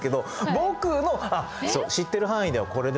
僕の知ってる範囲ではこれですね。